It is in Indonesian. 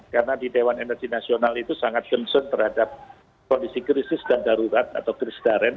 karena di dewan energi nasional itu sangat concern terhadap kondisi krisis dan darurat atau krisis darat